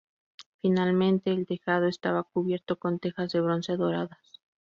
Finalmente, el tejado estaba cubierto con tejas de bronce doradas.